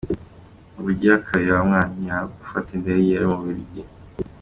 Ubugira kabiri bamwankira gufata indege ari mu gihugu c'ububiligi.